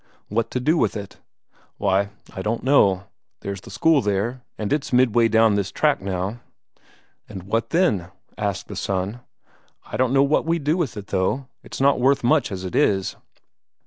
"What to do with it?" "Why, I don't know. There's the school there, and it's midway down this tract now." "And what then?" asked the son. "I don't know what we'd do with it, though; it's not worth much as it is."